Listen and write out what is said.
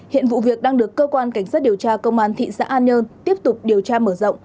hiện vụ việc đang được cơ quan cảnh sát điều tra công an thị xã an nhơn tiếp tục điều tra mở rộng